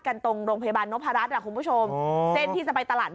มันกลับมาที่สุดท้ายแล้วมันกลับมาที่สุดท้ายแล้ว